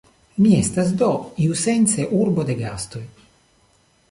Ni estas, do, iusence urbo de gastoj.